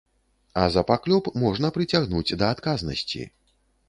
А за паклёп можна прыцягнуць да адказнасці.